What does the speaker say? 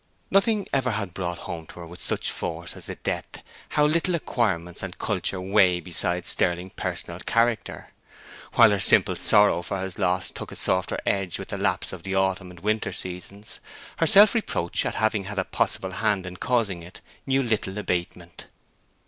Nothing ever had brought home to her with such force as this death how little acquirements and culture weigh beside sterling personal character. While her simple sorrow for his loss took a softer edge with the lapse of the autumn and winter seasons, her self reproach at having had a possible hand in causing it knew little abatement.